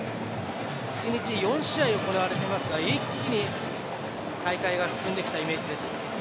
１日４試合行われていますが一気に大会が進んできたイメージです。